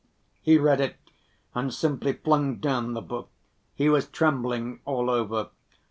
He read it and simply flung down the book. He was trembling all over.